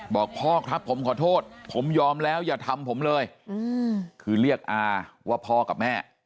บอกพ่อครับผมขอโทษผมยอมแล้วอย่าทำผมเลยคือเรียกอาว่าพ่อกับแม่